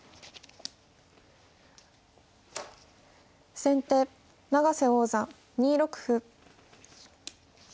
先手永瀬王座２六歩。